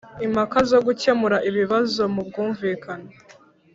impaka zo gukemura ibibazo mu bwumvikane